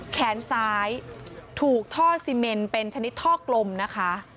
แขนซ้ายถูกท่อซีเมนเป็นชนิดท่อกลมนะคะ